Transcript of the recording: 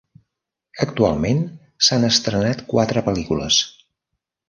Actualment s'han estrenat quatre pel·lícules.